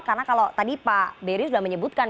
karena kalau tadi pak berius sudah menyebutkan